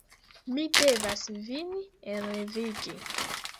Mi devas vin elrevigi.